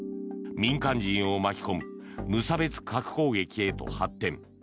民間人を巻き込む無差別核攻撃へと発展。